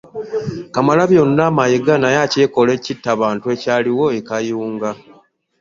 Kamalabyonna Mayiga naye akyekkola kitta bantu ekyaliwo e Kuyunga.